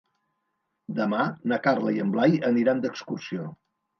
Demà na Carla i en Blai aniran d'excursió.